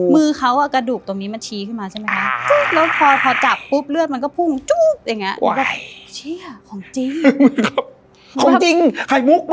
มือเขากระดูกตรงนี้มาชี้ขึ้นมาใช่ไหมคะจุ๊บแล้วพอจับปุ๊บเลือดมันก็พุ่งจุ๊บอย่างนี้